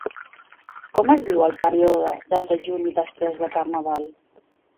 Com es diu el període de dejuni després de carnaval?